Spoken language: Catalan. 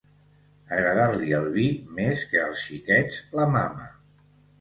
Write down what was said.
Agradar-li el vi més que als xiquets la mama.